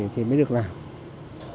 thì mới được làm được